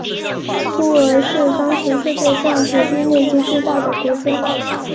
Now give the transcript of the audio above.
苏俄是当时世界上土地面积最大的国家。